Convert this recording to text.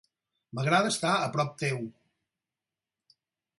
M'agrada estar a prop teu.